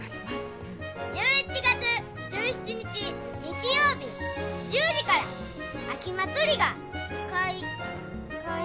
１１月１７日日曜日１０時から秋まつりがかいかい。